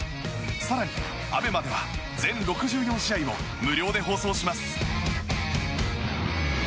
更に、ＡＢＥＭＡでは全６４試合を無料で放送します。